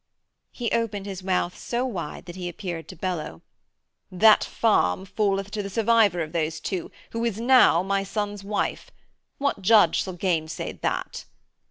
He opened his mouth so wide that he appeared to bellow. 'That farm falleth to the survivor of those two, who is now my son's wife. What judge shall gainsay that?'